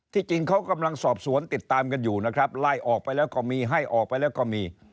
จริงเขากำลังสอบสวนติดตามกันอยู่นะครับไล่ออกไปแล้วก็มีให้ออกไปแล้วก็มี